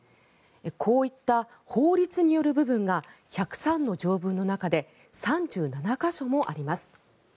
こういった法律による部分が１０３の条文の中で３７か所もあります。